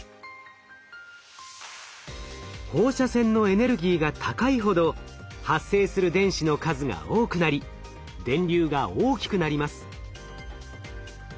放射線のエネルギーが高いほど発生する電子の数が多くなり電流が大きくなります。